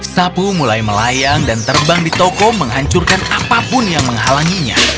sapu mulai melayang dan terbang di toko menghancurkan apapun yang menghalanginya